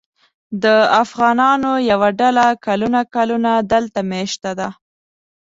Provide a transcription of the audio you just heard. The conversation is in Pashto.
د افغانانو یوه ډله کلونه کلونه دلته مېشته ده.